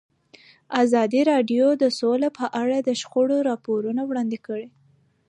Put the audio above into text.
ازادي راډیو د سوله په اړه د شخړو راپورونه وړاندې کړي.